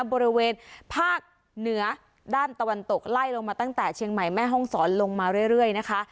บริเวณภาคเหนือด้านตะวันตกไล่ลงมาตั้งแต่เชียงใหม่แม่ห้องศรลงมาเรื่อยนะคะ